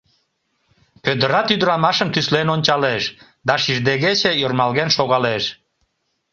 Пӧдырат ӱдырамашым тӱслен ончалеш да шиждегече ӧрмалген шогалеш.